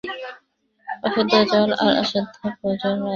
অশুদ্ধ জল আর অশুদ্ধ ভোজন রোগের কারণ।